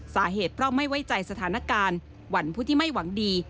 สาเหตุเพราะไม่ไว้ใจสถานการณ์วันผู้ที่ไม่หวังดี